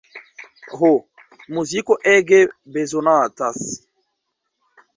Ho, muziko ege bezonatas.